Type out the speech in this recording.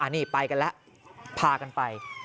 นี่ไปกันแล้วพากันไป